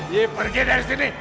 ye pergi dari sini